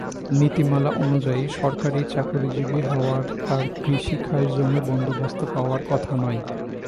নীতিমালা অনুযায়ী, সরকারি চাকরিজীবী হওয়ায় তাঁর কৃষি খাসজমি বন্দোবস্ত পাওয়ার কথা নয়।